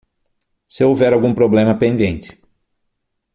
Se houver algum problema pendente